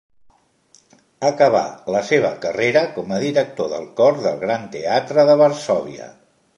Acabà la seva carrera com a director del cor del Gran Teatre de Varsòvia.